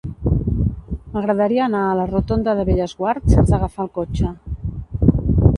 M'agradaria anar a la rotonda de Bellesguard sense agafar el cotxe.